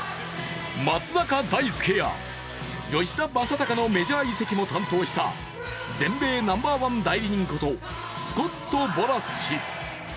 松坂大輔や吉田正尚のメジャー移籍も担当した、全米ナンバーワン代理人ことスコット・ボラス氏。